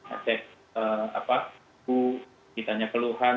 acek bu ditanya keluhan